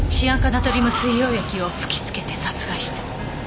ナトリウム水溶液を吹き付けて殺害した。